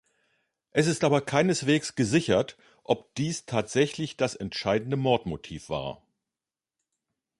Es ist aber keineswegs gesichert, ob dies tatsächlich das entscheidende Mordmotiv war.